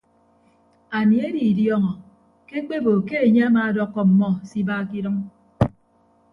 Anie edidiọọñọ ke ekpebo ke enye amaadọkkọ ọmmọ se iba ke idʌñ.